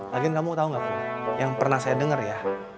lagi kamu tau gak bum yang pernah saya denger ya